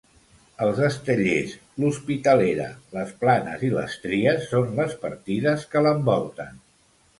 Els Estellers, l'Hospitalera, les Planes i les Tries són les partides que l'envolten.